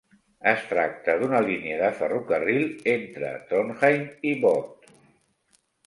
Es tracta d'una línia de ferrocarril entre Trondheim i Bodø.